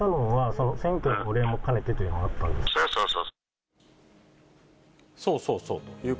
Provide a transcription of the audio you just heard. そうそうそうそう。